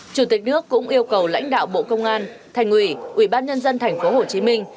chủ tịch nước cũng yêu cầu lãnh đạo bộ công an thành ủy ủy ban nhân dân thành phố hồ chí minh